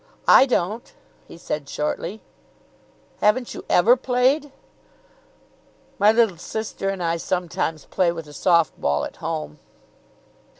"I don't," he said shortly. "Haven't you ever played?" "My little sister and I sometimes play with a soft ball at home."